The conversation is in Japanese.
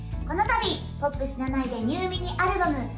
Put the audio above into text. このたびポップしなないでニューミニアルバム